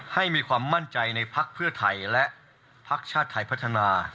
ให้มีความมั่นใจในพักเพื่อไทยและพักชาติไทยพัฒนา